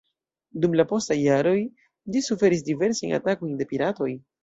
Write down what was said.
Dum la postaj jaroj ĝi suferis diversajn atakojn de piratoj.